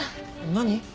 何？